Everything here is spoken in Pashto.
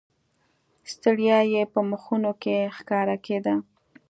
ستړیا یې په مخونو کې ښکاره کېده.